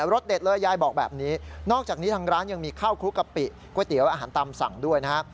สเด็ดเลยยายบอกแบบนี้นอกจากนี้ทางร้านยังมีข้าวคลุกกะปิก๋วยเตี๋ยวอาหารตามสั่งด้วยนะฮะ